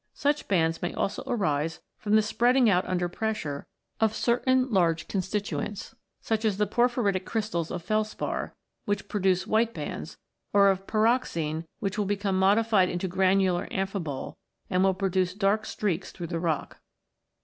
Such bands may also arise from the spreading out under pressure of certain large constituents, such as porphyritic crystals of felspar, which produce white bands, or of pyroxene, which will become modified into granular amphibole and will produce dark streaks through the rock.